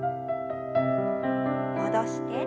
戻して。